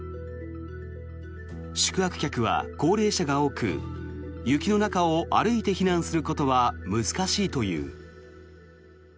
宿泊客は高齢者が多く雪の中を歩いて避難することは難しいという。